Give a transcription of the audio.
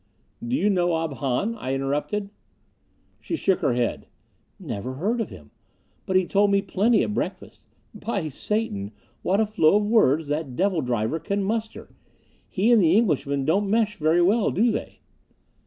"Do you know Ob Hahn?" I interrupted. She shook her head. "Never heard of him. But he told me plenty at breakfast. By Satan, what a flow of words that devil driver can muster! He and the Englishman don't mesh very well, do they?"